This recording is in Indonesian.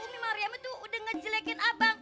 ini mariam itu udah ngejelekin abang